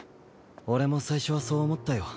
俺も最初はそう思ったよ。